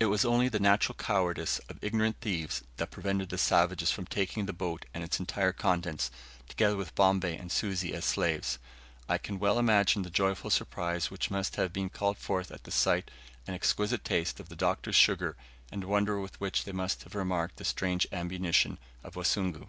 It was only the natural cowardice of ignorant thieves that prevented the savages from taking the boat and its entire contents, together with Bombay and Susi as slaves. I can well imagine the joyful surprise which must have been called forth at the sight and exquisite taste of the Doctor's sugar, and the wonder with which they must have regarded the strange ammunition of the Wasungu.